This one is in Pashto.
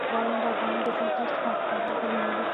باران د افغانانو د ژوند طرز خورا اغېزمنوي.